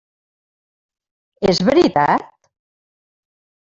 És veritat?